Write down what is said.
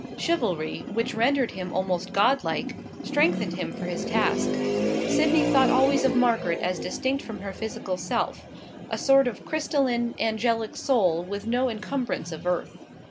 Chivalry, which rendered him almost god like, strengthened him for his task. Sydney thought always of Margaret as distinct from her physical self, a sort of crystalline, angelic soul, with no encumbrance of earth.